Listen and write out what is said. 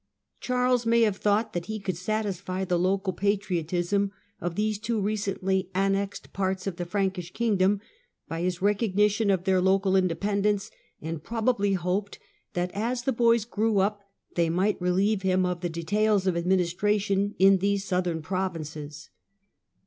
Charles may have thought that he could satisfy the local patriotism of these two recently annexed parts of the Frankish kingdom by this recognition of their local independence, and probably hoped that as the boys grew up they might relieve him of the details of ad ministration in these southern provinces.